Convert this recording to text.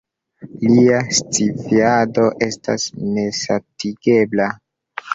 Lia sciavido estas nesatigebla.